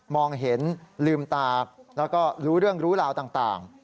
เห็นลืมตาแล้วก็รู้เรื่องรู้ราวต่าง